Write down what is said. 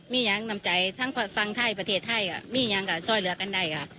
มีอย่างนำใจทั้งฝั่งไทยประเทศไทยมีอย่างการซ่อยเหลือกันได้